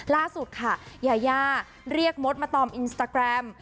ล่าสุดค่ะยายาเรียกมดมาตอมอินสตาแกรม